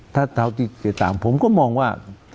ถ้าเธอติดตามผมก็มองว่า